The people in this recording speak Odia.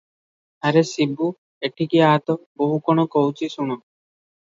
"ଆରେ ଶିବୁ, ଏଠିକି ଆ'ତ, ବୋହୂ କଣ କହୁଛି, ଶୁଣ ।"